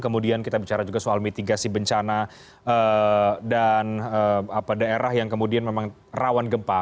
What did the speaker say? kemudian kita bicara juga soal mitigasi bencana dan daerah yang kemudian memang rawan gempa